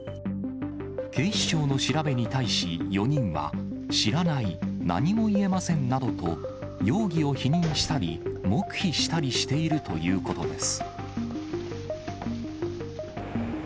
警視庁の調べに対し、４人は知らない、何も言えませんなどと、容疑を否認したり、黙秘したりしているということです。